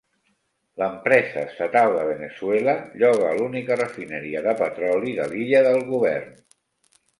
L'empresa estatal de Veneçuela lloga l'única refineria de petroli de l'illa del govern.